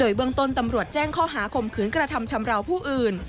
โดยเบื้องต้นตำรวจแจ้งข้อหาคมคื้นกรรภมเฉมเรามราวผู้อื่น